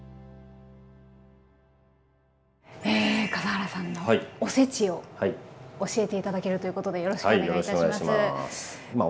え笠原さんのおせちを教えて頂けるということでよろしくお願いいたします。